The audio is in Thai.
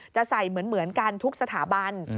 จะใส่เหมือนกันทุกสถาบัน